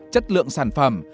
chất lượng sản phẩm